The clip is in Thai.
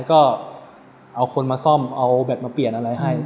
ก็เอาคนมาซ่อมเอาแบบมาเปลี่ยนอะไรให้